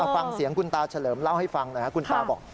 ฟังเสียงคุณตาเฉลิมเล่าให้ฟังหน่อยครับคุณตาบอก